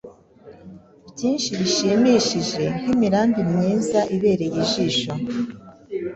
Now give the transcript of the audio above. byinshi bishimishije nk’imirambi myiza ibereye ijisho